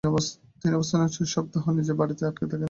তিনি অবস্থান নেন এবং ছয় সপ্তাহ নিজের বাড়িতে আটক থাকেন।